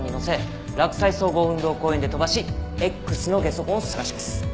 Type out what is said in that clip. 洛西総合運動公園で飛ばしＸのゲソ痕を捜します。